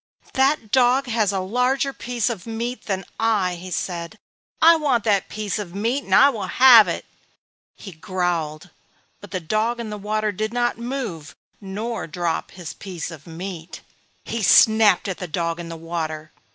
"That dog has a larger piece of meat than I," he said. "I want that piece of meat and I will have it!" He growled, but the dog in the water did not move nor did he drop his piece of meat. He snapped at the dog in the water.